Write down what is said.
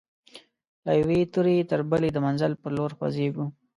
له یوې توري تر بلي د منزل پر لور خوځيږو